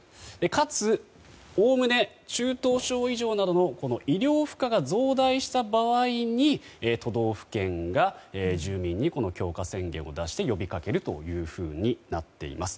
かつおおむね中等症以上などの医療負荷が増大した場合に都道府県が住民に強化宣言を出し呼びかけるというふうになっています。